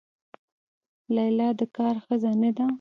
لیلا د کار ښځه نه ده.